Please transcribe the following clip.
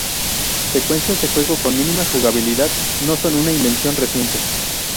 Secuencias de juego con mínima jugabilidad no son una invención reciente.